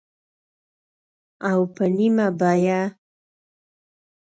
او په نیمه بیه